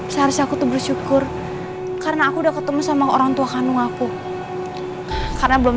seharusnya aku tuh bersyukur karena aku udah ketemu sama orang tua kandung aku karena belum